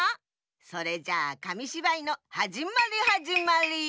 それじゃあかみしばいのはじまりはじまり！